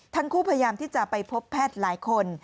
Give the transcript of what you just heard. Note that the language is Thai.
ทั้งคู่พยายามที่จะไปพบแพทย์หลายคน